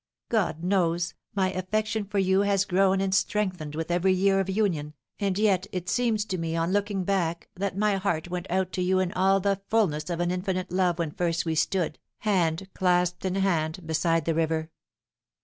God knows, my affection for you has grown and strengthened with every year of union, and yet it seems to me on looking back that my heart went out to you in all the fulness of an infinite love when first we stood, hand clasped in hand, beside the river.